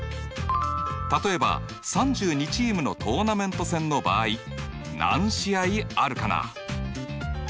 例えば３２チームのトーナメント戦の場合何試合あるかな？